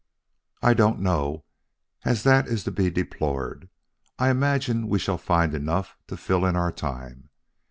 "I don't know as that is to be deplored. I imagine we shall find enough to fill in our time....